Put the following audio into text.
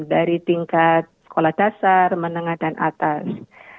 dari tingkat sekolah dasar menengah dan atas